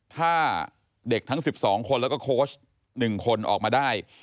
ถ้าเด็กทั้ง๑๒คนแล้วก็โค้ช๑คนออกมาได้